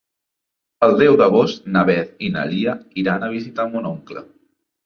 El deu d'agost na Beth i na Lia iran a visitar mon oncle.